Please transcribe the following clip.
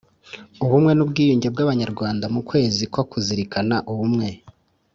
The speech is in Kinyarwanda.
ubumwe n ubwiyunge bw Abanyarwanda mu Kwezi ko kuzirikana Ubumwe